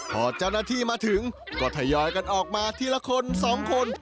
พอเจ้าหน้าที่มาถึงก็ทยอยกันออกมาทีละคนสองคน